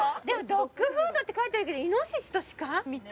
ドッグフードって書いてあるけどイノシシとシカ？